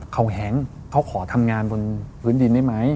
เขาแหงเขาขอทำงานบนพื้นดินได้ไหม